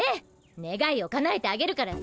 ねがいをかなえてあげるからさ。